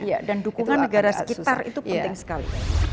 iya dan dukungan negara sekitar itu penting sekali